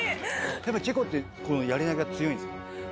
やっぱチェコって、このやり投げ強いんですか？